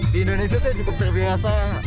di indonesia saya cukup terbiasa